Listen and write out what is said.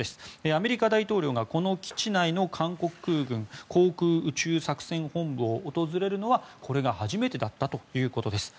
アメリカ大統領がこの基地内の韓国空軍航空宇宙作戦本部を訪れるのはこれが初めてだったということです。